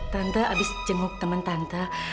tante habis jenguk temen tante